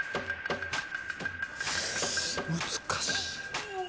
・難しい。